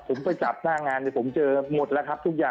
ปลอดภัยถูกตอบอันให้ท่านดรองกลาย